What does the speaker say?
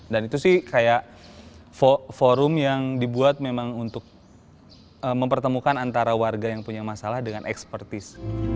dan itu sih kayak forum yang dibuat memang untuk mempertemukan antara warga yang punya masalah dengan ekspertis